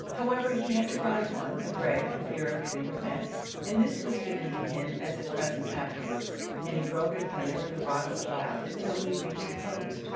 However, he had to ride one, a grey, for fear of giving offence, and this was given to him as a present afterwards, and he rode it whenever the rocks allowed till we reached the coast.